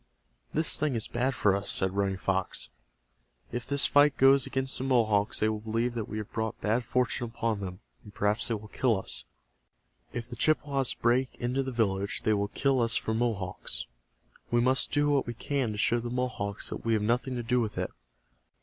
"This thing is bad for us," said Running Fox. "If this fight goes against the Mohawks they will believe that we have brought bad fortune upon them, and perhaps they will kill us. If the Chippewas break into the village they will kill us for Mohawks. We must do what we can to show the Mohawks that we have nothing to do with it."